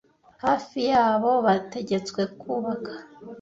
hafi yabo bategetswe kubaka